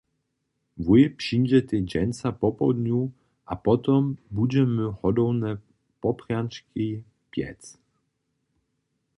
Wój přińdźetej dźensa popołdnju a potom budźemy hodowne poprjančki pjec.